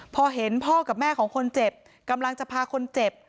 พอเห็นพ่อกับแม่ของคนเจ็บกำลังจะพาคนเจ็บ